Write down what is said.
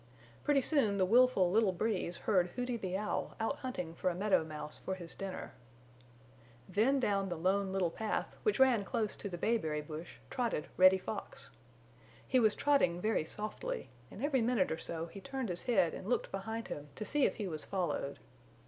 Pretty soon the willful little Breeze heard Hooty the Owl out hunting for a meadow mouse for his dinner. Then down the Lone Little Path which ran close to the bayberry bush trotted Reddy Fox. He was trotting very softly and every minute or so he turned his head and looked behind him to see if he was followed.